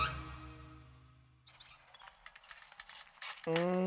うん